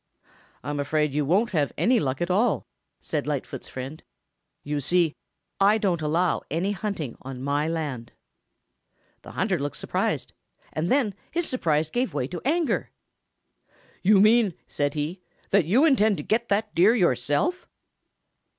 "I'm afraid you won't have any luck at all," said Lightfoot's friend. "You see, I don't allow any hunting on my land." The hunter looked surprised, and then his surprise gave way to anger. "You mean," said he, "that you intend to get that Deer yourself."